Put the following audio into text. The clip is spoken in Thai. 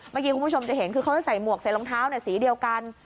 เมื่อกี้คุณผู้ชมจะเห็นคือเขาจะใส่หมวกใส่รองเท้าสีเดียวกัน